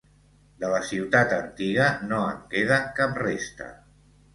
De la ciutat antiga no en queda cap resta.